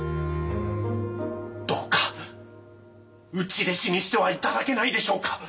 どうか内弟子にしては頂けないでしょうか。